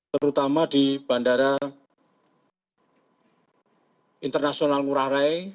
terutama di bandara internasional ngurah rai